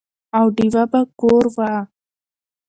او ډېوه به کور وه،